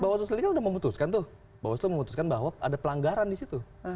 bawaslu selidikan udah memutuskan tuh bawaslu memutuskan bahwa ada pelanggaran di situ